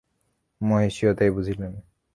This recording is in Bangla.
মহিষীও তাহাই বুঝিলেন।